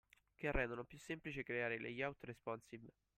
Che rendono più semplice creare layout responsive.